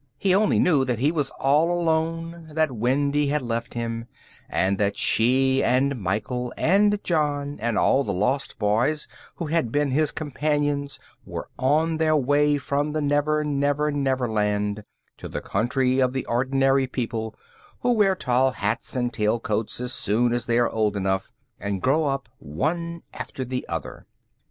He only knew that he was all alone, that Wendy had left him, and that she, and Michael, and John, and all the Lost Boys who had been his companions were on their way from the Never Never Never Land to the country of the ordinary people who wear tall hats and tail coats as soon as they are old enough, and grow up one after the other.